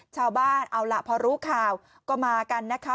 ชาวบ้านเอาล่ะพอรู้ข่าวก็มากันนะคะ